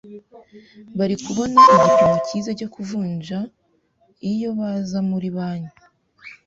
Bari kubona igipimo cyiza cyo kuvunja iyo baza muri banki.